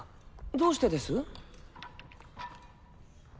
どうしてです？